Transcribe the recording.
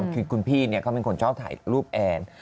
คุณพี่เนี่ยเขาเป็นคนชอบถ่ายรูปแอน